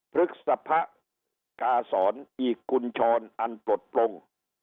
พฤษภะกาศรอีกคุณชอนอันตรดปรง